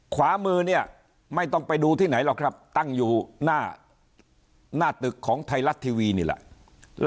ขวามือเนี่ยไม่ต้องไปดูที่ไหนหรอกครับตั้งอยู่หน้าตึกของไทยรัฐทีวีนี่แหละ